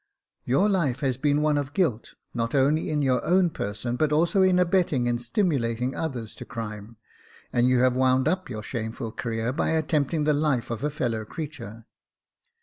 Your life has been one of guilt, not only in your own person, but also in abetting and stimulating others to crime ; and you have wound up your shameful career by attempting the life of a fellow creature.